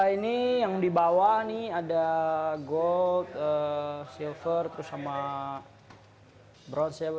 ini yang di bawah nih ada gold silver terus sama brown